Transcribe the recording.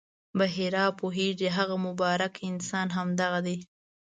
بحیرا پوهېږي هغه مبارک انسان همدغه دی.